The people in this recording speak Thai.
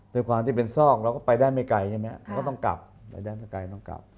ด้วยความที่เป็นซอกเราก็ไปได้ไม่ไกลใช่ไหมเราก็ต้องกลับไปได้ไม่ไกลต้องกลับ